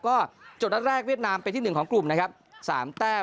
ก็โจทย์ลัดแรกเวียดนามเป็นที่๑ของกลุ่ม๓แต้ม